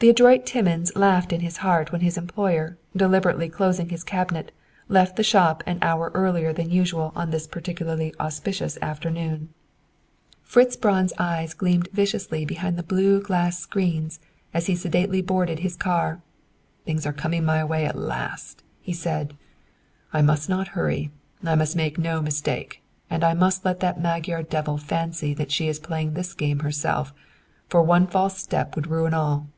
The adroit Timmins laughed in his heart when his employer, deliberately closing his cabinet, left the shop an hour earlier than usual on this particularly auspicious afternoon. Fritz Braun's eyes gleamed viciously behind the blue glass screens as he sedately boarded his car. "Things are coming my way at last," he said. "I must not hurry, I must make no mistake, and I must let that Magyar devil fancy that she is playing this game herself, for one false step would ruin all."